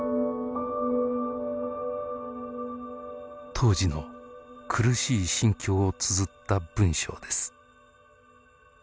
当時の苦しい心境をつづった文章です。